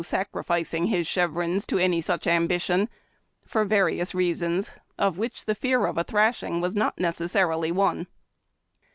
sacrificing his chevrons to any such ambition — for various reasons, of which the fear of a thrashing was not necessarily one.